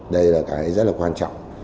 đây là cái rất là quan trọng